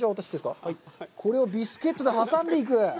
これをビスケットで挟んでいく？